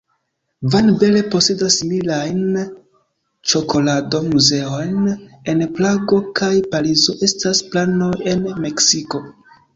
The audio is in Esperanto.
Van Belle posedas similajn ĉokolado-muzeojn en Prago kaj Parizo; estas planoj en Meksiko.